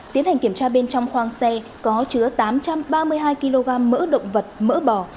tiến hành kiểm tra bên trong khoang xe có chứa tám trăm ba mươi hai kg mỡ động vật mỡ bò